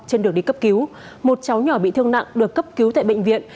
trên đường đi cấp cứu một cháu nhỏ bị thương nặng được cấp cứu tại bệnh viện